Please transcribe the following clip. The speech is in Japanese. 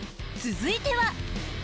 ［続いては］